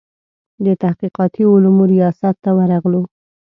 د تحقیقاتي علومو ریاست ته ورغلو.